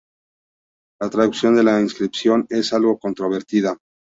La traducción de la inscripción es algo controvertida.